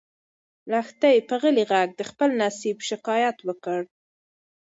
لښتې په غلي غږ د خپل نصیب شکایت وکړ.